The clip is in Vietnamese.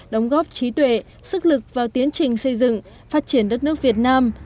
đóng góp trí tuệ sức lực vào tiến trình xây dựng phát triển đất nước việt nam